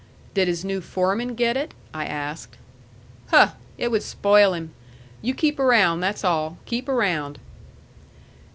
"Did his new foreman get it?" I asked. "Huh! It would spoil him. You keep around that's all. Keep around."